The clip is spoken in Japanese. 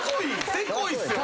せこいっすよね。